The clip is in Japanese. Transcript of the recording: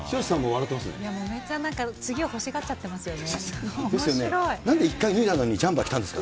めちゃめちゃ、次、欲しがっちゃってますよね。